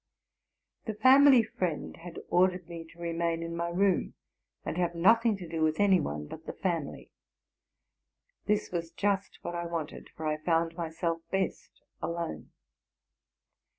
The family friend had ordered me to remain in my room, and have nothing to do with any one but the family. This was just what I wanted, for I found myself best alone.